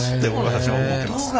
私は思ってます。